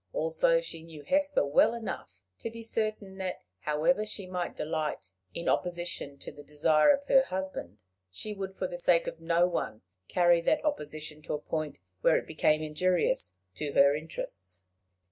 Also she knew Hesper well enough to be certain that, however she might delight in opposition to the desire of her husband, she would for the sake of no one carry that opposition to a point where it became injurious to her interests.